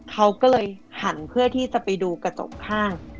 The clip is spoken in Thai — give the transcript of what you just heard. เขาก็เลยหันเพื่อที่จะไปดูกระจกข้าง